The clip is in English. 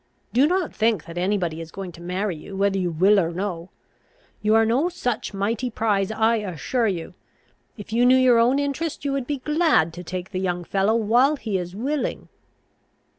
Do not think that any body is going to marry you, whether you will or no. You are no such mighty prize, I assure you. If you knew your own interest, you would be glad to take the young fellow while he is willing."